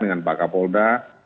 dengan pak kapolda